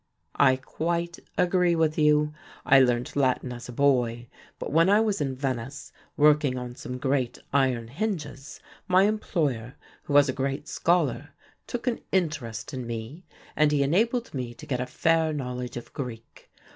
"I quite agree with you. I learned Latin as a boy, but when I was in Venice working on some great iron hinges, my employer, who was a great scholar, took an interest in me and he enabled me to get a fair knowledge of Greek.